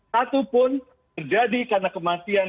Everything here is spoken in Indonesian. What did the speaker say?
satupun terjadi karena kematian